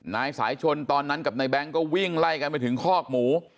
นายสายชนตอนนั้นกับนายแบงค์ก็วิ่งไล่กันไปถึงคอกหมู